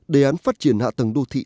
đề án phát triển hạ tầng đô thị